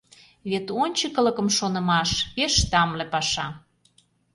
Вет ончыкылыкым шонымаш — пеш тамле паша.